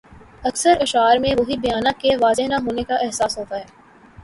اکثر اشعار میں وہی بیانیہ کے واضح نہ ہونے کا احساس ہوتا ہے۔